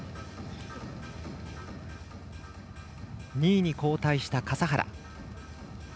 ２位に後退した笠原。